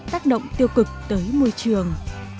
tác động tiêu cực tới môi trường